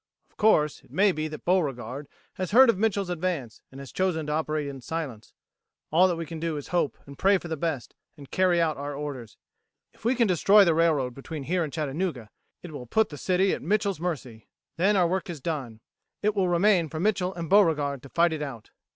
Of course it may be that Beauregard has heard of Mitchel's advance and has chosen to operate in silence. All that we can do is hope and pray for the best, and carry out our orders. If we can destroy the railroad between here and Chattanooga, it will put the city at Mitchel's mercy. Then our work is done. It will remain for Mitchel and Beauregard to fight it out."